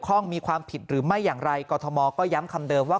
ข้องมีความผิดหรือไม่อย่างไรกรทมก็ย้ำคำเดิมว่า